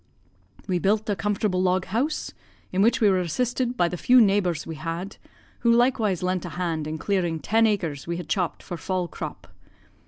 "We built a comfortable log house, in which we were assisted by the few neighbours we had, who likewise lent a hand in clearing ten acres we had chopped for fall crop.